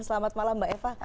selamat malam mbak eva